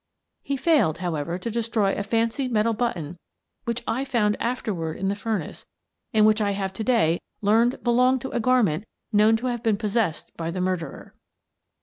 He failed, however, to destroy a fancy metal button which I found after ward in the furnace and which I have to day learned belonged on a garment known to have been possessed by the murderer.